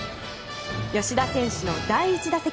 吉田選手の第１打席。